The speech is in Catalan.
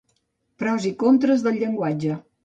Pros i contres del llenguatge.